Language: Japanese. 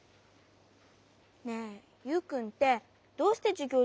ねえユウくんってどうしてじゅぎょう